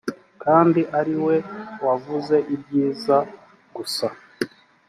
kandi ari we wavuze ibyiza gusa